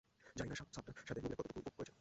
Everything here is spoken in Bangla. জানি না সাবটার সাথে মুভিটা কতটুকু উপভোগ করেছেন।